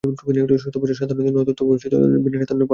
শত বৎসর সাধনার ধন হয়তো নয়, তবে বিনা সাধনায় পাওয়ার মতো মেয়েও নয়।